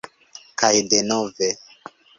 Kaj denove.